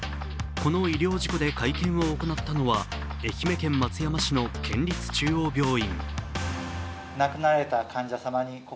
この医療事故で会見を行ったのは愛媛県松山市の県立中央病院。